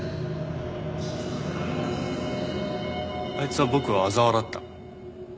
あいつは僕をあざ笑った。